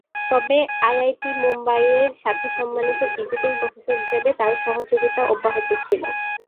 তবে আইআইটি মুম্বাইয়ের সাথে সম্মানিত ভিজিটিং প্রফেসর হিসাবে তাঁর সহযোগিতা অব্যাহত ছিল।